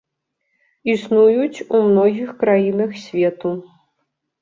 Існуюць у многіх краінах свету.